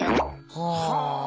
はあ！